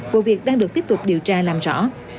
vụ việc đang được tiếp tục điều tra làm rõ